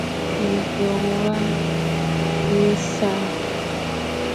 Mɨ̀tlùʼù mya mə tsəʼə̂.